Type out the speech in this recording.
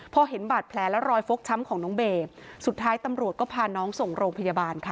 พอเห็นบาดแผลและรอยฟกช้ำของน้องเบย์สุดท้ายตำรวจก็พาน้องส่งโรงพยาบาลค่ะ